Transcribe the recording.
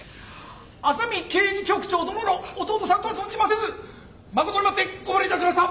浅見刑事局長殿の弟さんとは存じませず誠にもってご無礼いたしました！